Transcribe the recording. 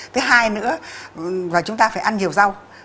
thứ hai nữa là chúng ta phải ăn nhiều rau